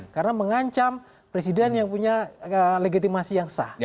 karena mengancam presiden yang punya legitimasi yang sah